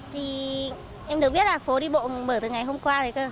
thì em được biết là phố đi bộ mở từ ngày hôm qua thì cơ